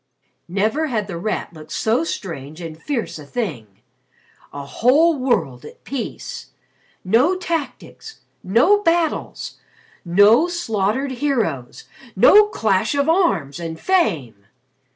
Never had The Rat looked so strange and fierce a thing. A whole world at peace! No tactics no battles no slaughtered heroes no clash of arms, and fame!